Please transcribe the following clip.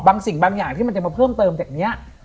บางสิ่งบางอย่างที่มันจะมาเพิ่มเติมจากนี้